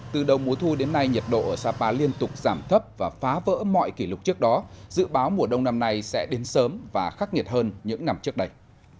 từ đầu mùa thu đến nay nhiệt độ ở sapa liên tục giảm thấp và phá vỡ mọi kỷ lục trước đó dự báo mùa đông năm nay sẽ đến sớm và khắc nghiệt hơn những năm trước đây